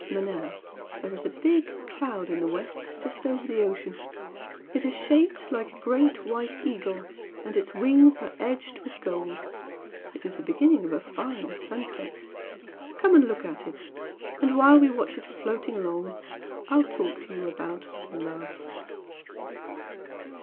"Manella, there is a big cloud in the west just over the ocean. It is shaped like a great white eagle and its wings are edged with gold, it is the beginning of a fine sunset. Come and look at it, and while we watch it floating along I will talk to you about love!"